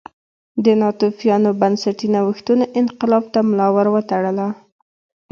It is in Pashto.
د ناتوفیانو بنسټي نوښتونو انقلاب ته ملا ور وتړله